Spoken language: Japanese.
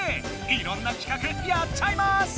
いろんな企画やっちゃいます！